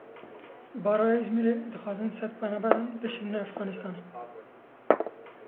Baroya Îzmîrê, dixwazin sed penaberan bişînin Efxanistanê.